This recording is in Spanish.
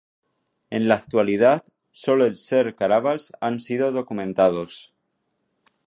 En la actualidad, sólo el Ser-Caravals han sido documentados.